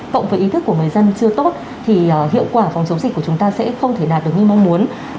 cộng với ý thức của người dân chưa tốt thì hiệu quả phòng chống dịch của chúng ta sẽ không thể đạt được như mong muốn